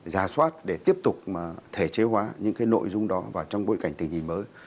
giả soát để tiếp tục thể chế hóa những cái nội dung đó vào trong bối cảnh tình hình mới